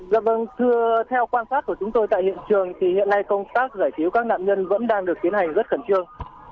dạ vâng thưa quan sát của chúng tôi tại hiện trường thì hiện nay công tác giải cứu các nạn nhân vẫn đang được tiến hành rất khẩn trương